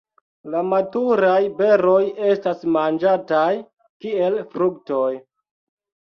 La maturaj beroj estas manĝataj kiel fruktoj.